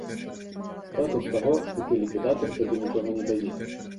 Статус таго, што ты ліквідатар, табе нічога не дае.